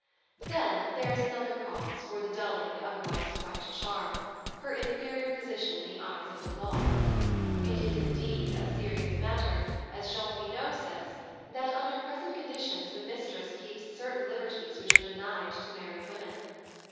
Then there is another cause for the dulling of a Society ^'='5 wife's bright charm — her inferior position in the eyes of the law. It is indeed a serious matter, as Jean Finot says, " that, under present conditions, the mistress keeps certain Hberties which are denied to married women."